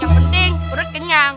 yang penting urut kenyang